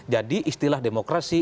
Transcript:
jadi istilah demokrasi